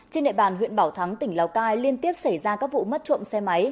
trên địa bàn huyện bảo thắng tỉnh lào cai liên tiếp xảy ra các vụ mất trộm xe máy